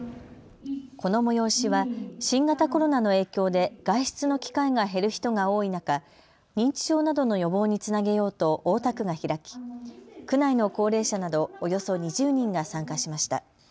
この催しは新型コロナの影響で外出の機会が減る人が多い中、認知症などの予防につなげようと大田区が開き区内の高齢者など、およそ２０人が参加しました。